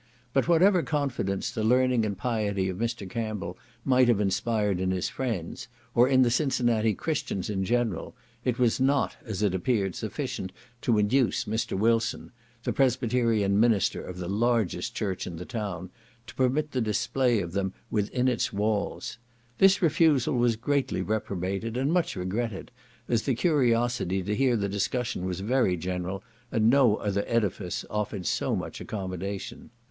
But whatever confidence the learning and piety of Mr. Campbell might have inspired in his friends, or in the Cincinnati Christians in general, it was not, as it appeared, sufficient to induce Mr. Wilson, the Presbyterian minister of the largest church in the town, to permit the display of them within its walls. This refusal was greatly reprobated, and much regretted, as the curiosity to hear the discussion was very general, and no other edifice offered so much accommodation.